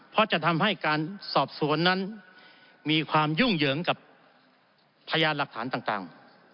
เพราะจะทำให้การสอบสวนนั้นมีความยุ่งเหยิงกับพยานหลักฐานต่าง